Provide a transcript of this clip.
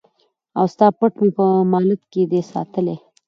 او ستا پت مي په مالت کي دی ساتلی